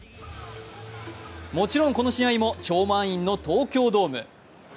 もちろんこの試合も超満員の東京ドーム。